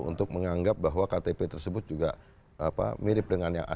untuk menganggap bahwa ktp tersebut juga mirip dengan yang ada